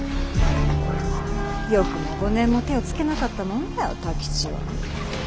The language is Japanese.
よくも５年も手をつけなかったもんだよ太吉は。